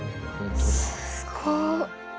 すごい。